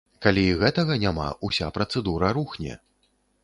Калі і гэтага няма, уся працэдура рухне.